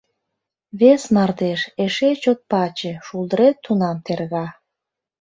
Вес мардеж — эше чот паче — Шулдырет тунам терга…